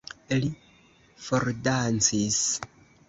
Li fordancis.